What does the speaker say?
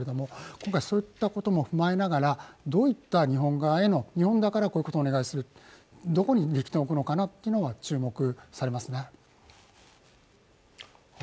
今回そういったことも踏まえながら、どういった日本側への、日本だからこういうことをお願いする、どこに力点を置くのか注目されますね。